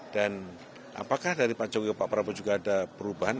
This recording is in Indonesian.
dan apakah dari pak jokowi ke pak prabowo juga ada perubahan